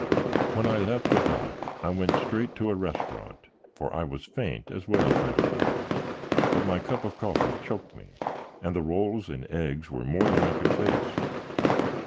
When I left the dock I went straight to a restaurant, for I was faint as well as miserable. But my cup of coffee choked me and the rolls and eggs were more than I could face.